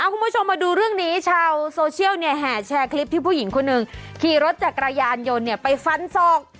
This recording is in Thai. คุณผู้ชมมาดูเรื่องนี้ชาวโซเชียลเนี่ยแห่แชร์คลิปที่ผู้หญิงคนหนึ่งขี่รถจักรยานยนต์เนี่ยไปฟันศอก